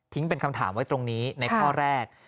เป็นคำถามไว้ตรงนี้ในข้อแรก